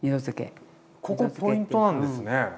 ここポイントなんですね。